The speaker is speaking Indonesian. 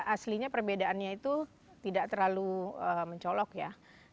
aslinya perbedaannya itu tidak terlalu mencolok ya